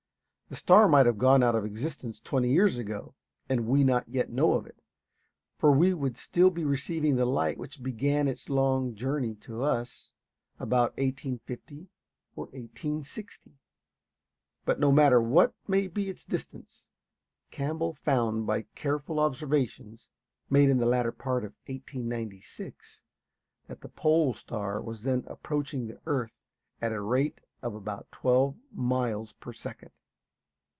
The star might have gone out of existence twenty years ago, and we not yet know of it, for we would still be receiving the light which began its long journey to us about 1850 or 1860. But no matter what may be its distance, Campbell found by careful observations, made in the latter part of 1896, that the pole star was then approaching the earth at the rate of about twelve miles per second.